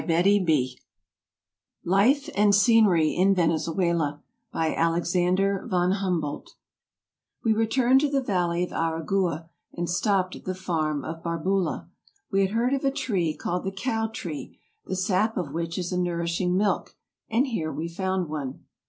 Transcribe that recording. AMERICA Life and Scenery in Venezuela By ALEXANDER VON HUMBOLDT WE returned to the valley of Aragua and stopped at the farm of Barbula. We had heard of a tree called the cow tree, the sap of which is a nourishing milk, and here we found one.